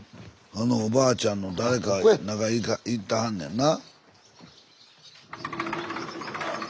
あのおばあちゃんの誰か中いてはんねんな。